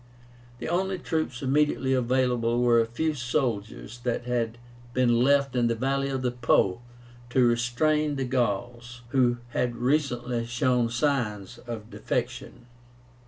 The only troops immediately available were a few soldiers that had been left in the valley of the Po to restrain the Gauls, who had recently shown signs of defection.